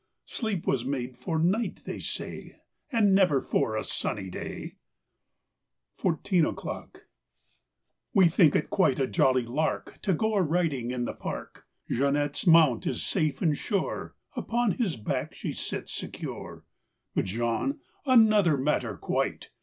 Sleep was made for night, they say. And never for a sunny day! 29 THIRTEEN O'CLOCK 31 FOURTEEN O'CLOCK W E think it quite a jolly lark To go a riding in the park. Jeanette's mount is safe and sure, Upon his back she sits secure. But Jean—another matter, quite!